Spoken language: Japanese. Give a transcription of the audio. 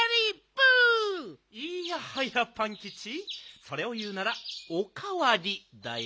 いやはやパンキチそれをいうなら「おかわり」だよ。